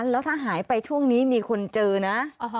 แล้วถ้าหายไปช่วงนี้มีคนเจอนะ